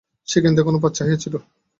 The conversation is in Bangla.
সে কিন্তু এখনো পথ চাহিয়া ছিল।